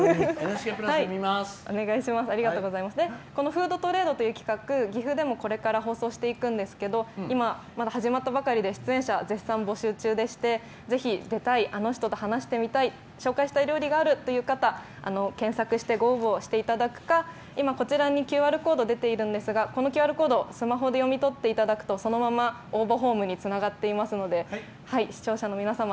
「ふうどトレード」という企画、岐阜でも、これから放送していくんですけどまだ始まったばかりで出演者募集中でしてぜひ出たいあの人と話してみたい紹介したい料理があるという方検索してご応募をしていただくか今、ＱＲコード出ているんですがＱＲコードをスマホで読み取っていただくとそのまま応募フォームにつながりますので視聴者の皆様